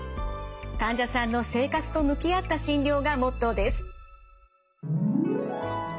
患者さんの生活と向き合った診療がモットーです。